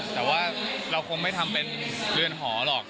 แต่ว่าเราคงไม่ทำเป็นเรือนหอหรอก